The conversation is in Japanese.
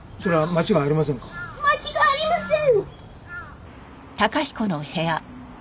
間違いありません！